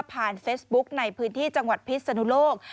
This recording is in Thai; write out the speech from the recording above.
เฟซบุ๊คในพื้นที่จังหวัดพิษนุโลก